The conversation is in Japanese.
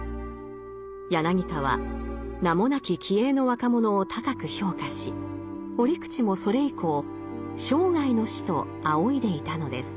柳田は名もなき気鋭の若者を高く評価し折口もそれ以降生涯の師と仰いでいたのです。